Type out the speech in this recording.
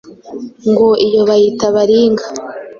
Ngo iyo bayita baringa